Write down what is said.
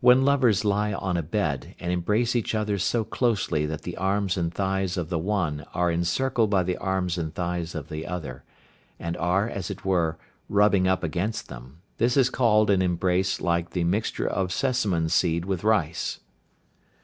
When lovers lie on a bed, and embrace each other so closely that the arms and thighs of the one are encircled by the arms and thighs of the other, and are, as it were, rubbing up against them, this is called an embrace like "the mixture of sesamum seed with rice."